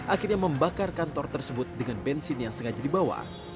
akhirnya membakar kantor tersebut dengan bensin yang sengaja dibawa